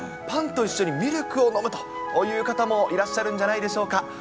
パンと一緒にミルクを飲むという方もいらっしゃるんじゃないでしょうか。